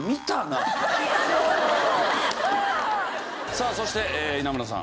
さあそして稲村さん。